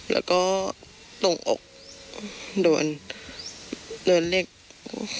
แล้วก็ตรงอกโดนเลือดเล็กคุยชาป